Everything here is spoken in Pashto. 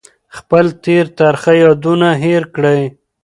خپل تېر ترخه یادونه هېر کړئ.